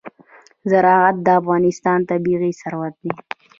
زراعت د افغانستان طبعي ثروت دی.